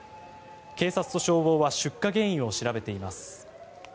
警察と消防は出火原因を調べています。